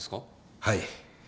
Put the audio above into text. はい。